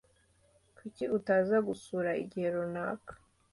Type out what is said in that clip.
Kuki utaza gusura igihe runaka?